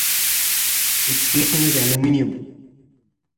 Its casing is aluminium.